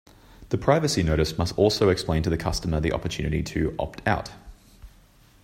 The privacy notice must also explain to the customer the opportunity to 'opt out'.